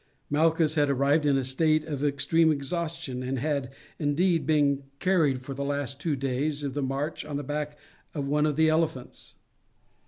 Malchus had arrived in a state of extreme exhaustion, and had, indeed, been carried for the last two days of the march on the back of one of the elephants.